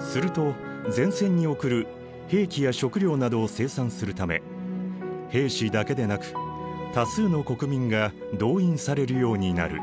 すると前線に送る兵器や食料などを生産するため兵士だけでなく多数の国民が動員されるようになる。